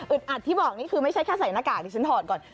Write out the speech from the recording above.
อัดที่บอกนี่คือไม่ใช่แค่ใส่หน้ากากดิฉันถอดก่อน